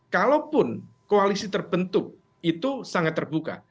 kalaupun koalisi terbentuk itu sangat terbuka